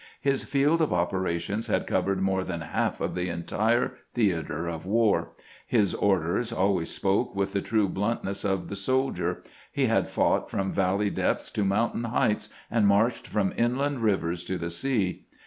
His field of operations had covered more than "half of the entire theater of war ; his orders always spoke with the true bluntness of the soldier ; he had fought from valley depths to mountain heights, and marched from inland rivers to the sea.